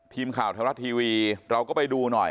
ทีมข่าวไทยรัฐทีวีเราก็ไปดูหน่อย